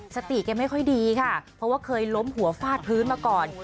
สติแกไม่ค่อยดีค่ะเพราะว่าเคยล้มหัวฟาดพื้นมาก่อน